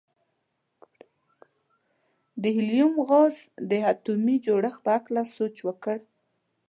د هیلیم غاز د اتومي جوړښت په هکله سوچ وکړئ.